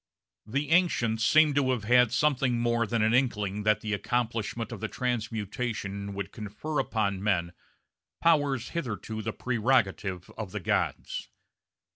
The ancients seem to have had something more than an inkling that the accomplishment of transmutation would confer upon men powers hitherto the prerogative of the gods.